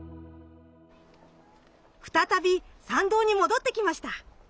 再び参道に戻ってきました。